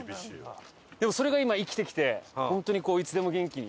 でもそれが今生きてきて本当にいつでも元気に。